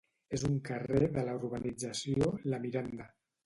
Es un carrer de la urbanització La Miranda